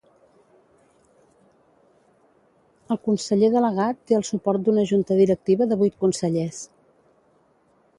El conseller delegat té el suport d'una junta directiva de vuit consellers.